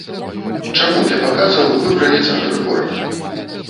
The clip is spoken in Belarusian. Чаму для паказаў выбралі цэнтр горада?